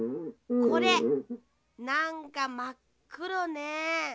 これなんかまっくろね。